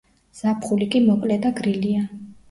ზაფხული კი მოკლე და გრილია.